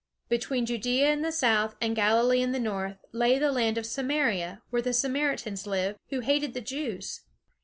Between Judea in the south and Galilee in the north, lay the land of Samaria, where the Samaritans lived, who hated the Jews.